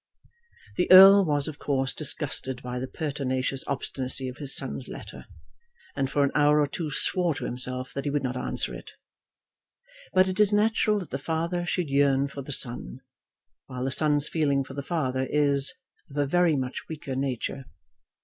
The Earl was of course disgusted by the pertinacious obstinacy of his son's letter, and for an hour or two swore to himself that he would not answer it. But it is natural that the father should yearn for the son, while the son's feeling for the father is of a very much weaker nature.